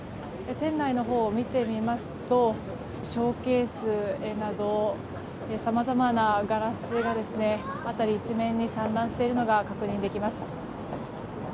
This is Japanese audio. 店内のほうを見てみますとショーケースなど様々なガラスが辺り一面に散乱しているのが確認できます。